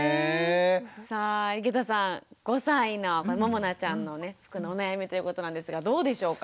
さあ井桁さん５歳のももなちゃんの服のお悩みということなんですがどうでしょうか？